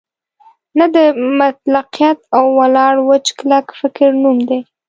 نه د مطلقیت او ولاړ وچ کلک فکر نوم دی.